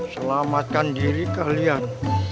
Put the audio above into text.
selamatkan diri kalian